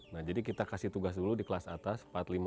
nah jadi kita kasih tugas dulu di kelas atas empat puluh lima